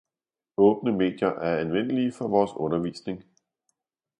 Åbne medier er anvendelige for vores undervisning.